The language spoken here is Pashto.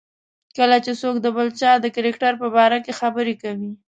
کله چې څوک د بل چا د کرکټر په باره کې خبرې کوي.